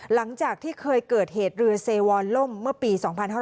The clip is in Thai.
หลังจากที่เคยเกิดเหตุเรือเซวรล่มเมื่อปี๒๕๕๙